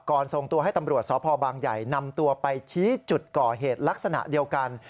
ส่งตัวให้ตำรวจสพบางใหญ่นำตัวไปชี้จุดก่อเหตุลักษณะเดียวกัน